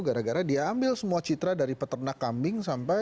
gara gara dia ambil semua citra dari peternak kambing sampai